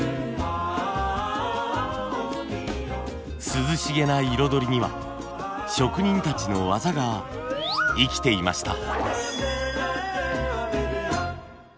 涼しげな彩りには職人たちの技が生きていました。